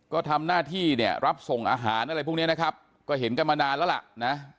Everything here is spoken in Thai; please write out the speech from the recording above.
ก็ทำหน้าที่เนี่ยรับส่งอาหารอะไรพวกนี้นะครับก็เห็นกันมานานแล้วล่ะนะ